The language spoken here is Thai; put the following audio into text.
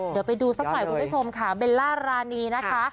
เดี๋ยวไปดูสักหน่อยคุณผู้ชมค่ะเบลล่ารานีนะคะ